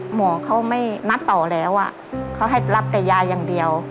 หมอเขาไม่นัดต่อแล้วเขาให้รับแต่ยาอย่างเดียว